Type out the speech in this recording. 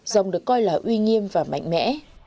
rồng được coi là uy nghiêm và mạnh mẽ